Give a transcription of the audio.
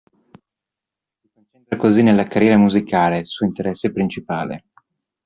Si concentra così nella carriera musicale, suo interesse principale.